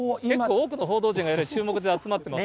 多くの報道陣が、注目で集まっています。